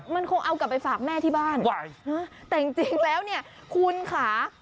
มันคงเอากลับไปฝากแม่ที่บ้านแต่จริงแล้วเนี่ยคุณค่ะ